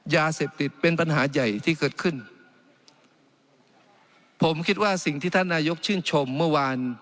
ยาเสพติดเป็นปัญหาใหญ่ที่เกิดขึ้นผมคิดว่าสิ่งที่ท่านนายกชื่นชมเมื่อวาน